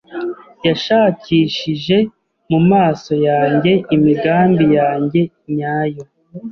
Yashakishije mu maso yanjye imigambi yanjye nyayo.